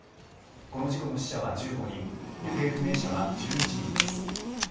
この事故の死者は１５人行方不明者は１１人です。